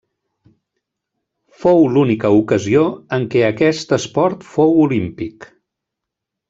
Fou l'única ocasió en què aquest esport fou olímpic.